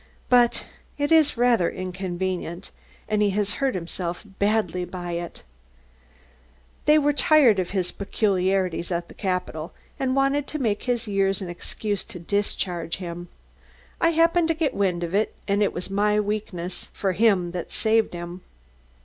But it is rather inconvenient, and he has hurt himself by it hurt himself badly. They were tired of his peculiarities at the capital, and wanted to make his years an excuse to discharge him. I happened to get wind of it, and it was my weakness for him that saved him."